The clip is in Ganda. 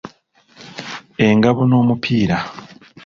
Engabo n’omupiira.